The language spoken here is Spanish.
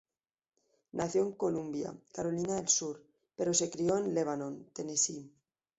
Nació en Columbia, Carolina del Sur, pero se crio en el Lebanon, Tennessee.